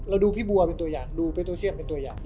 ดูพี่บัวเป็นตัวอย่างดูเป็นตัวเซียมเป็นตัวอย่าง